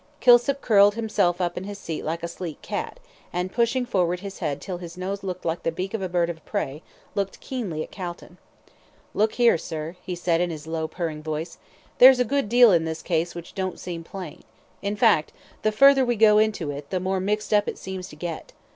Kilsip curled himself up in his seat like a sleek cat, and pushing forward his head till his nose looked like the beak of a bird of prey, looked keenly at Calton. "Look here, sir," he said, in his low, purring voice, "there's a good deal in this case which don't seem plain in fact, the further we go into it, the more mixed up it seems to get.